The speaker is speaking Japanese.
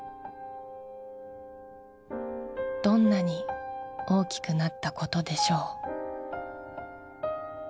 「どんなに大きくなったことでしょう」